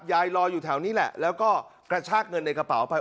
รออยู่แถวนี้แหละแล้วก็กระชากเงินในกระเป๋าไป